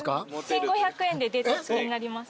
１，５００円でデータ付きになります。